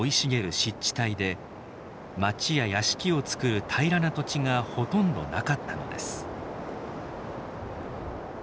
湿地帯で町や屋敷をつくる平らな土地がほとんどなかったのです